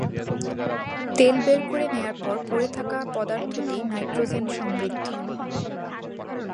তেল বের করে নেওয়ার পর পড়ে থাকা পদার্থটি নাইট্রোজেন-সমৃদ্ধ।